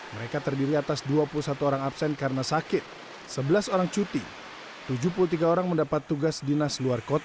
mereka terdiri atas dua puluh satu orang absen karena sakit sebelas orang cuti tujuh puluh tiga orang mendapat tugas dinas luar kota